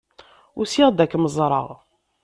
Usiɣ-d ad kem-ẓreɣ.